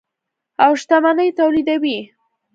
او شتمني تولیدوي.